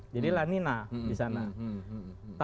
jadi lanina di sana